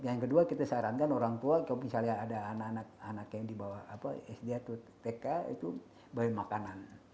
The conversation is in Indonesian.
yang kedua kita sarankan orang tua kalau misalnya ada anak anak yang dibawa sd atau tk itu beli makanan